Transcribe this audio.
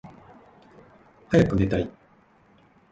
はやくねたい